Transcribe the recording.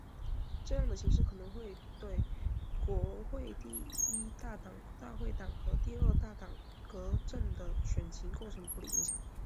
这样的形势可能对国会第一大党大会党和第二大党革阵的选情构成不利影响。